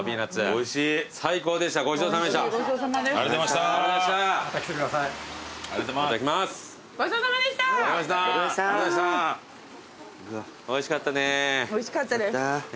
おいしかったです。